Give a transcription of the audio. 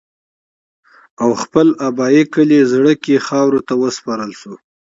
او خپل ابائي کلي زَړَه کښې خاورو ته اوسپارلے شو